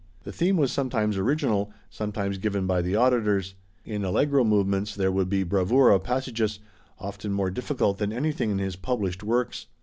The theme was sometimes original, sometimes given by the auditors. In Allegro movements there would be bravura passages, often more difficult than anything in his published works.